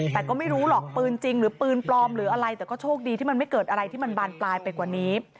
แต่ก็ไม่รู้หรอกปืนจริงหรือปืนปลอมหรืออะไรแต่ก็โชคดีที่มันไม่เกิดอะไรที่มันบานปลายไปกว่านี้